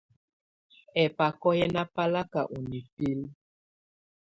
Ɛ́bakɔ́ yɛ́ ná báláká ɔ́ nibilǝ́.